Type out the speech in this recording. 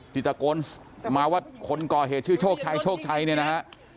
ที่ตะโกนมาว่าคนก่อเหตุชื่อโชคชัยโชคชัยเนี่ยนะฮะ